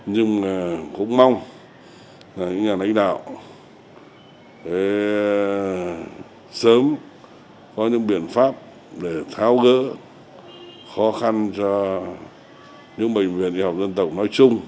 nhưng cũng mong là những nhà lãnh đạo sớm có những biện pháp để tháo gỡ khó khăn cho những bệnh viện đại học dân tộc nói chung